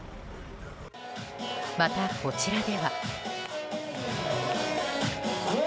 また、こちらでは。